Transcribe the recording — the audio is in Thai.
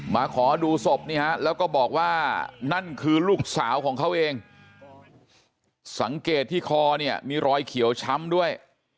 ขอดูศพนี่ฮะแล้วก็บอกว่านั่นคือลูกสาวของเขาเองสังเกตที่คอเนี่ยมีรอยเขียวช้ำด้วย